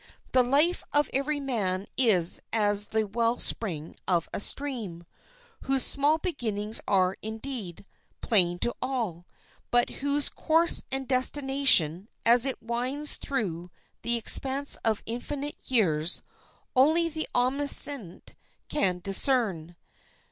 The life of every man is as the well spring of a stream, whose small beginnings are, indeed, plain to all, but whose course and destination, as it winds through the expanse of infinite years, only the Omniscient can discern.